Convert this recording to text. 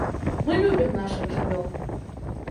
Мы любім нашых жывёл.